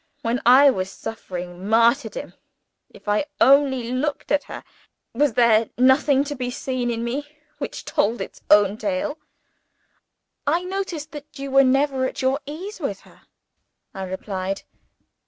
When I was suffering martyrdom, if I only looked at her was there nothing to be seen in me which told its own tale?" "I noticed that you were never at your ease with her," I replied.